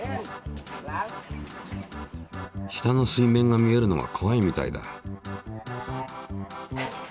下の水面が見えるのがこわいみたいだ。